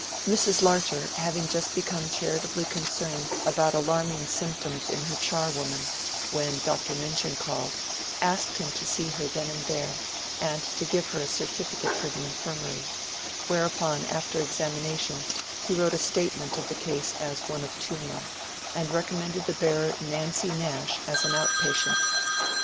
Mrs. Larcher having just become charitably concerned about alarming symptoms in her charwoman, when Dr. Minchin called, asked him to see her then and there, and to give her a certificate for the Infirmary; whereupon after examination he wrote a statement of the case as one of tumor, and recommended the bearer Nancy Nash as an out patient.